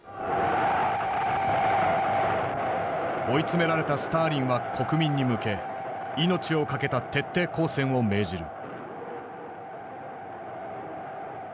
追い詰められたスターリンは国民に向け命を懸けた徹底抗戦を命じる。